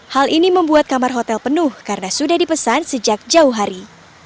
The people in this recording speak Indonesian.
hal ini membuat kamar hotel penuh karena sudah dipesan sejak jauh hari